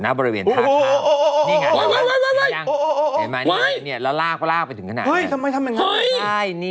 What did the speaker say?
หน้าบริเวณท่าข้ามนี่ไงครับเห็นไหมนี่แล้วลากไปถึงขนาดนี้